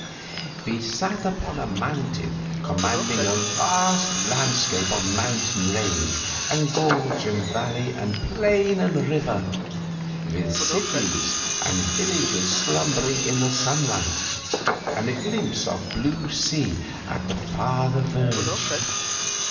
We sat upon a mountain commanding a vast landscape of mountain range and gorge and valley and plain and river, with cities and villages slumbering in the sunlight, and a glimpse of blue sea on the farther verge.